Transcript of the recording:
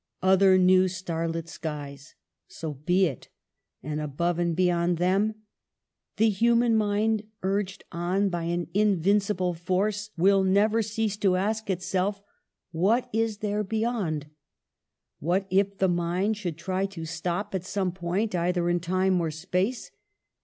Other new star lit skies. So be it! And above and beyond them? The human mind, urged on by an invincible force, will never cease to ask itself. What is there beyond? What if the mind should try to stop at some point, either in time or space?